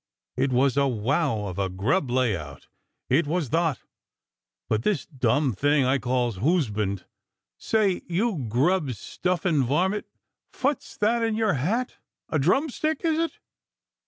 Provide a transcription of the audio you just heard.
_ It was a wow of a grub lay out! It was thot! But this dom thing I calls hoosband. Say! You grub stuffin' varmint! Phwat's that in your hat? A droom stick, is it?